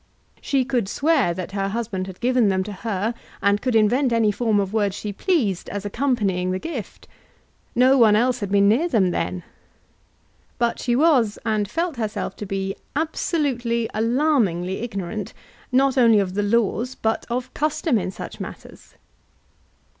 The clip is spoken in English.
She could swear that her husband had given them to her, and could invent any form of words she pleased as accompanying the gift. No one else had been near them then. But she was, and felt herself to be absolutely, alarmingly ignorant, not only of the laws, but of custom in such matters.